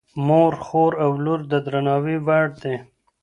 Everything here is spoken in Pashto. مور، خور او لور د درناوي وړ دي.